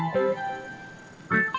aduh aku bisa